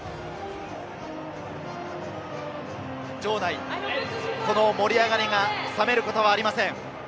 場内、この盛り上がりが冷めることはありません。